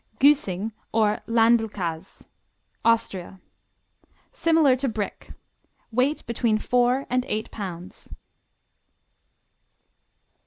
Güssing, or Land l kas Austria Similar to Brick. Skim milk. Weight between four and eight pounds.